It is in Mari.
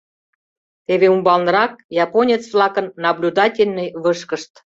Теве умбалнырак — японец-влакын наблюдательный вышкышт.